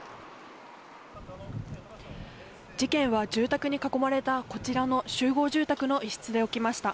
事件は住宅に囲まれたこちらの集合住宅の一室で起きました。